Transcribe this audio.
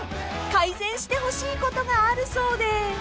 ［改善してほしいことがあるそうで］